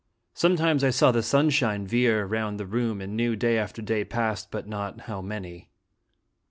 Sometimes I saw the sunshine veer round the room, and knew day after day passed, but not how many.